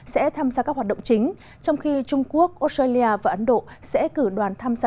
sẽ tham gia các hoạt động chính trong khi trung quốc australia và ấn độ sẽ cử đoàn tham gia